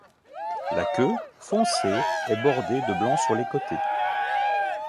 La queue, foncée est bordée de blanc sur les côtés.